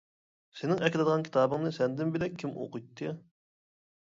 سېنىڭ ئەكېلىدىغان كىتابىڭنى سەندىن بىلەك كىم ئوقۇيتتى.